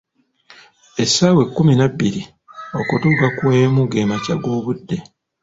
Essaawa ekkumi nabbiri.okutuuka ku emu ge makya g'obudde.